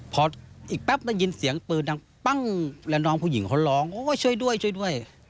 พออีกแป๊บได้ยินเสียงปืนดังปั้งแล้วน้องผู้หญิงเขาร้องโอ้ยช่วยด้วยช่วยด้วย